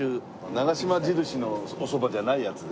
長嶋印のおそばじゃないやつですよね。